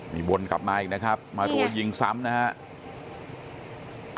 มีวนกลับมาอีกนะครับมารัวยิงซ้ำนะครับ